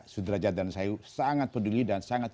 sudrajat dan sayu sangat peduli dan sangat